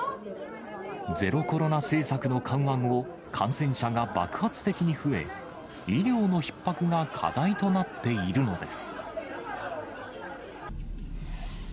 ゼロコロナ政策の緩和後、感染者が爆発的に増え、医療のひっ迫が課題となっているのです。